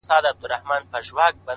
صبر د بېړې زیانونه کموي